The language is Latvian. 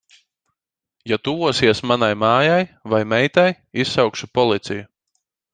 Ja tuvosies manai mājai vai meitai, izsaukšu policiju.